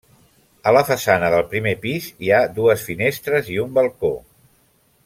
A la façana del primer pis hi ha dues finestres i un balcó.